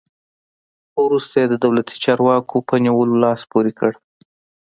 خو وروسته یې د دولتي چارواکو په نیولو لاس پورې کړ.